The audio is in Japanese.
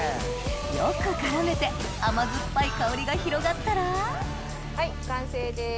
よく絡めて甘酸っぱい香りが広がったらはい完成です。